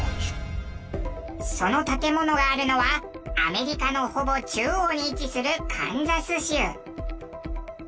その建物があるのはアメリカのほぼ中央に位置するカンザス州。